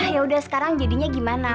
yaudah sekarang jadinya gimana